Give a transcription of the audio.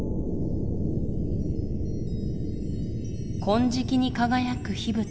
「金色に輝く秘仏。